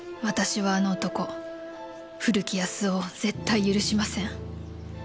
「私はあの男古木保男を絶対許しません」